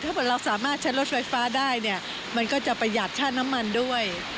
ถ้าเกิดเราสามารถใช้รถไฟฟ้าได้เนี่ยมันก็จะประหยัดค่าน้ำมันด้วย